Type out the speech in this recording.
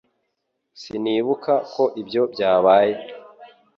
Sinibuka ko ibyo byabaye